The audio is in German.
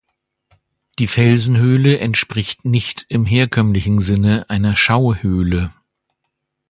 Die Felsenhöhle entspricht nicht im herkömmlichen Sinne einer Schauhöhle.